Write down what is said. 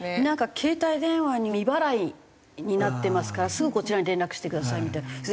なんか「携帯電話未払いになってますからすぐこちらに連絡してください」みたいな。